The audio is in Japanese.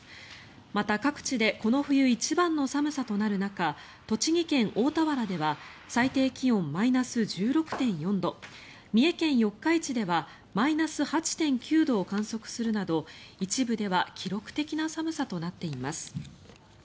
また、各地でこの冬一番の寒さとなる中栃木県大田原では最低気温マイナス１６．４度三重県四日市ではマイナス８．９度を観測するなど一部では記録的な寒さとなっています。